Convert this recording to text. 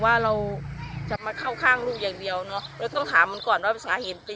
ว่าเราจะมาเข้าข้างลูกอย่างเดียวเนอะเราต้องถามมันก่อนว่าภาษาหินเป็น